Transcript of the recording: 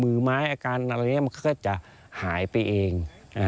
มือไม้อาการอะไรอย่างนี้มันก็จะหายไปเอง